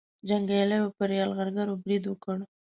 جنګیالیو پر یرغلګرو برید وکړ.